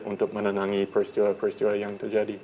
untuk menenangi peristiwa peristiwa yang terjadi